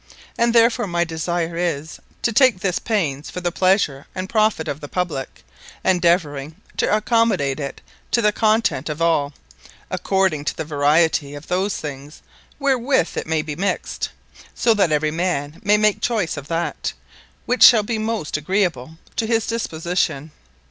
And therefore my desire is, to take this paines, for the pleasure, and profit of the publicke; endeavouring to accommodate it to the content of all, according to the variety of those things, wherewith it may be mixt; that so every man may make choise of that, which shal be most agreeable to his disposition.